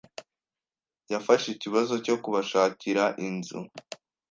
Yafashe ikibazo cyo kubashakira inzu.